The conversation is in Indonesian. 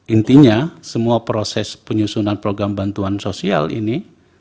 intinya semua proses penyusunan program bantuan sosial ini